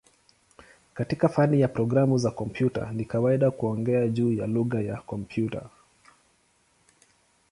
Katika fani ya programu za kompyuta ni kawaida kuongea juu ya "lugha ya kompyuta".